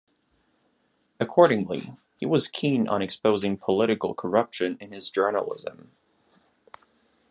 Accordingly, he was keen on exposing political corruption in his journalism.